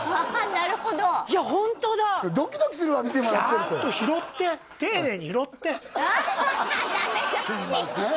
なるほどいやホントだドキドキするわ見てもらってるとちゃんと拾ってハハハッダメ出しすいません